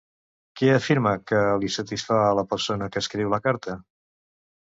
Què afirma que li satisfà, a la persona que escriu la carta?